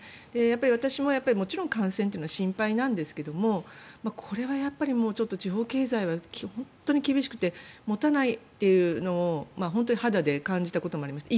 私ももちろん感染は心配なんですけどもこれはやっぱり地方経済は本当に厳しくて持たないというのを本当に肌で感じたこともありました。